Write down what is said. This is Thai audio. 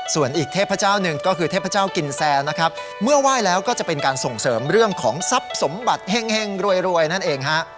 ส่วนอีกเทพเจ้าหนึ่งก็คือเทพเจ้ากินแซนะครับเมื่อไหว้แล้วก็จะเป็นการส่งเสริมเรื่องของทรัพย์สมบัติเห็งรวยนั่นเองฮะ